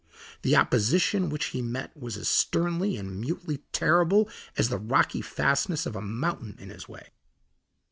The opposition which he met was as sternly and mutely terrible as the rocky fastness of a mountain in his way.